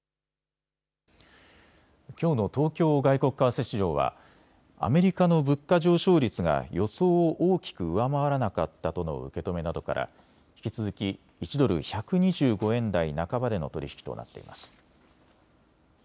きょうの東京外国為替市場はアメリカの物価上昇率が予想を大きく上回らなかったとの受け止めなどから引き続き１ドル１２５円台半ばでの取り引きとなっています。